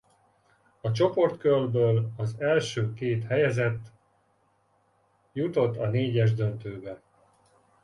A csoportkörből az első két helyezett jutott a négyes döntőbe.